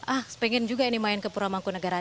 ah pengen juga ini main ke pura mangkunegara